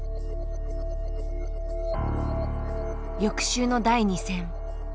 翌週の第２戦。